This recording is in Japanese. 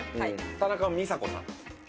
田中美佐子さんです。